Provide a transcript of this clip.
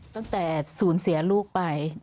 ตั้งแต่สูญเสียลูกไป